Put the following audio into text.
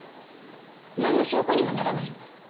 何の証拠にもならないわ。